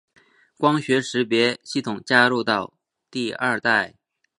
光学识别系统加入到第二代。